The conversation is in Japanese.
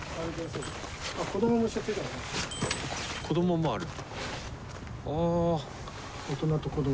子どももある。